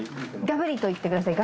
ガブリといってください